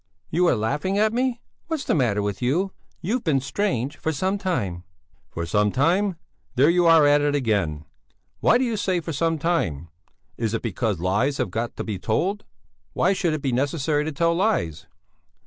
"You are laughing at me! What's the matter with you? You've been strange for some time." "For some time? There you are at it again! Why do you say for some time? Is it because lies have got to be told? Why should it be necessary to tell lies?"